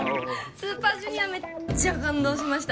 ＳＵＰＥＲＪｒ．めっちゃ感動しました